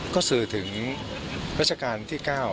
ก็สื่อถึงรัชกาลที่๙